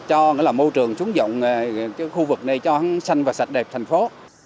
cho môi trường trúng rộng khu vực này cho xanh và sạch đẹp thành phố